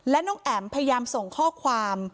และน้องแอ๋มพยายามส่งข้อความ